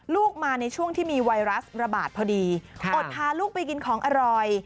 ลูกมาในช่วงที่มีไวรัสระบาดพอดีอดพาลูกไปกินของอร่อย